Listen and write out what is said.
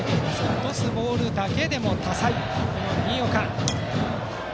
落とすボールだけでも多彩な新岡。